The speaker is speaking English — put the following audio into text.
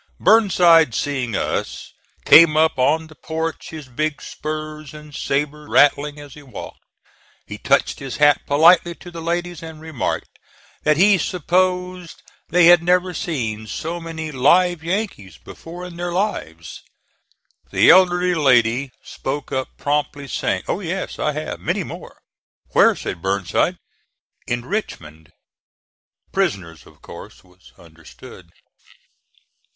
Burnside seeing us, came up on the porch, his big spurs and saber rattling as he walked. He touched his hat politely to the ladies, and remarked that he supposed they had never seen so many "live Yankees" before in their lives. The elderly lady spoke up promptly saying, "Oh yes, I have; many more." "Where?" said Burnside. "In Richmond." Prisoners, of course, was understood.